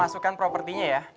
masukkan propertinya ya